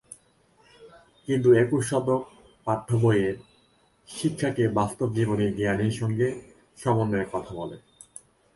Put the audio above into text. কিন্তু একুশ শতক পাঠ্যবইয়ের শিক্ষাকে বাস্তবজীবনের জ্ঞানের সঙ্গে সমন্বয়ের কথা বলে।